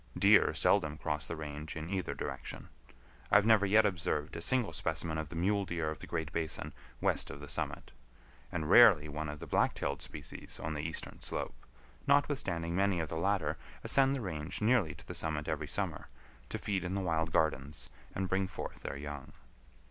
Deer seldom cross the range in either direction. I have never yet observed a single specimen of the mule deer of the Great Basin west of the summit, and rarely one of the black tailed species on the eastern slope, notwithstanding many of the latter ascend the range nearly to the summit every summer, to feed in the wild gardens and bring forth their young.